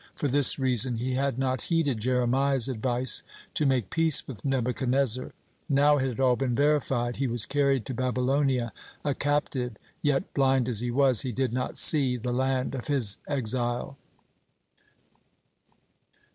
For this reason he had not heeded Jeremiah's advice to make peace with Nebuchadnezzar. Now it had all been verified; he was carried to Babylonia a captive, yet, blind as he was, he did not see the land of his exile.